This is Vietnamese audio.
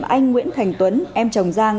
và anh nguyễn thành tuấn em chồng giang